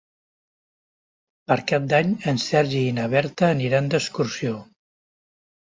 Per Cap d'Any en Sergi i na Berta aniran d'excursió.